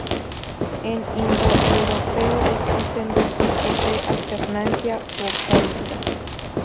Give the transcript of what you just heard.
En indoeuropeo existen dos tipos de alternancia vocálica.